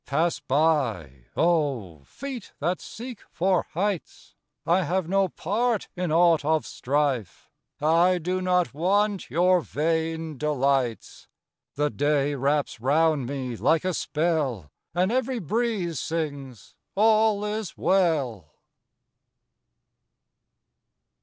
Pass by, oh, feet that seek for heights! I have no part in aught of strife; I do not want your vain delights. The day wraps round me like a spell, And every breeze sings, "All is well."